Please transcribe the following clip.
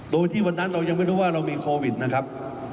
โดยที่วันนั้นเรายังไม่รู้ว่าเรามีโควิดนะครับ